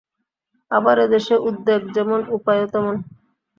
আবার এ দেশে উদ্যোগ যেমন, উপায়ও তেমন।